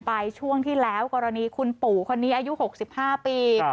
ช่วงที่แล้วกรณีคุณปู่คนนี้อายุ๖๕ปี